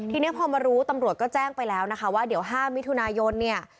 ทีนี้พอมารู้ตำรวจก็แจ้งไปแล้วนะคะว่าเดี๋ยว๕มิถุนายนเนี่ย